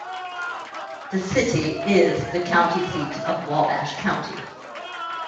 The city is the county seat of Wabash County.